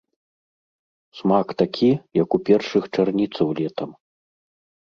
Смак такі, як у першых чарніцаў летам.